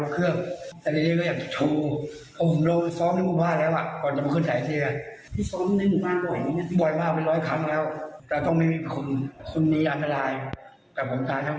เขาน่าจะทำอีกไหมครับ